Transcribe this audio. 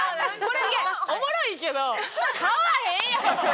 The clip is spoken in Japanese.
違うおもろいけど買わへんやろ！